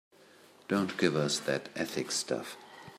Don't give us that ethics stuff.